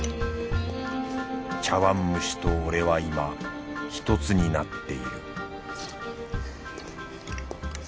茶碗蒸しと俺は今ひとつになっている